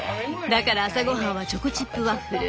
だから朝ごはんはチョコチップワッフル。